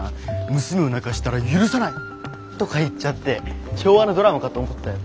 「娘を泣かしたら許さない」とか言っちゃって昭和のドラマかと思ったよ。